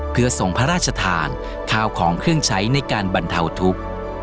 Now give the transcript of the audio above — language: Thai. เพื่อส่งพระราชทานข้าวของเครื่องใช้ในการบรรเทาทุกข์